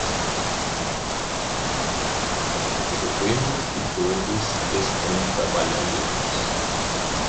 O governo e todos estão trabalhando juntos